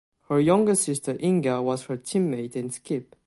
Her younger sister Inga was her teammate and skip.